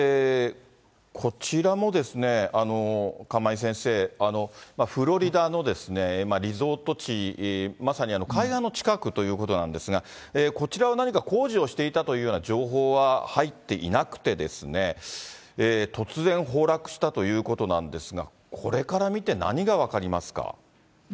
こちらも釜井先生、フロリダのリゾート地、まさに海岸の近くということなんですが、こちらは何か工事をしていたというような情報は入っていなくて、突然崩落したということなんですが、これから見て、何が分かりますか？